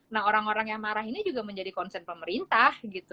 nah orang orang yang marah ini juga menjadi concern pemerintah gitu